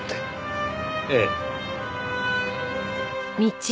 ええ。